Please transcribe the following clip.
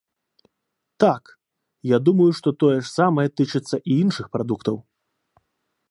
Так, я думаю, што тое ж самае тычыцца і іншых прадуктаў.